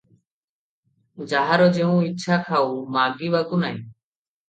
ଯାହାର ଯେତେ ଇଚ୍ଛା ଖାଉ, ମାଗିବାକୁ ନାହିଁ ।